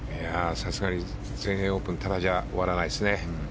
さすがに全英オープンただじゃ終わらないですね。